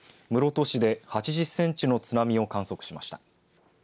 室戸市で８０センチの津波を観測しました。